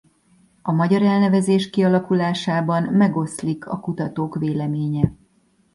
A magyar elnevezés kialakulásában megoszlik a kutatók véleménye.